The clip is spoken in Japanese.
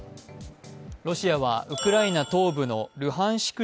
ロシアはウクライナ東部のルハンシク